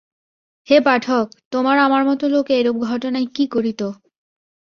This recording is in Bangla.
হে পাঠক, তোমার আমার মতো লোক এইরূপ ঘটনায় কী করিত।